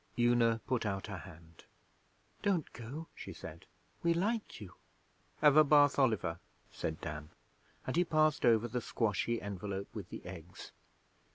Una put out her hand. 'Don't go,' she said. 'We like you.' 'Have a Bath Oliver,' said Dan, and he passed over the squashy envelope with the eggs.